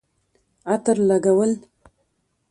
عطر لګول